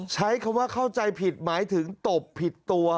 ใช้คำว่าเข้าใจผิดหมายถึงตบผิดตัว